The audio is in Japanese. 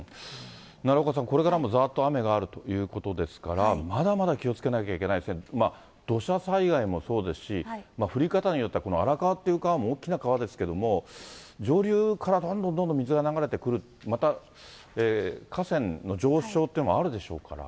奈良岡さん、これからもざーっと雨があるということですから、まだまだ気をつけなきゃいけないですね、土砂災害もそうですし、降り方によってはこの荒川っていう川も大きな川ですけど、上流からどんどんどんどん水が流れてくる、また河川の上昇というのもあるでしょうから。